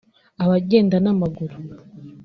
Abagenda n’amaguru